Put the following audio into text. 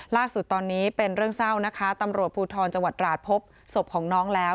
ล่าสุดตอนนี้เป็นเรื่องเศร้านะคะตำรวจภูทรจังหวัดราชพบศพของน้องแล้ว